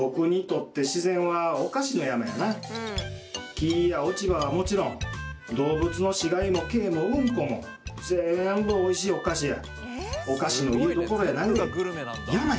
木や落ち葉はもちろん動物の死骸も毛もうんこもぜんぶおいしいお菓子や。